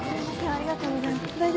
ありがとうございます。